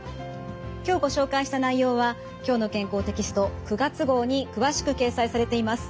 今日ご紹介した内容は「きょうの健康」テキスト９月号に詳しく掲載されています。